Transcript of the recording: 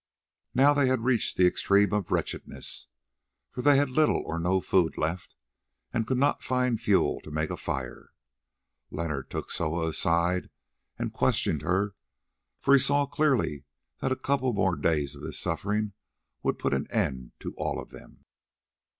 Now they had reached the extreme of wretchedness, for they had little or no food left, and could not find fuel to make a fire. Leonard took Soa aside and questioned her, for he saw clearly that a couple more days of this suffering would put an end to all of them.